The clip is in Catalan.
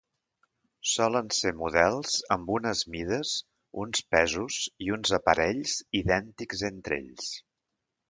Solen ser models amb unes mides, uns pesos, i uns aparells idèntics entre ells.